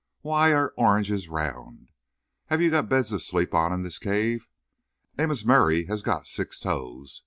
Why are oranges round? Have you got beds to sleep on in this cave? Amos Murray has got six toes.